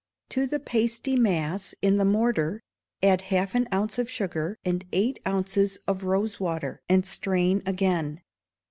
To the pasty mass in the mortar add half an ounce of sugar, and eight ounces of rose water, and strain again.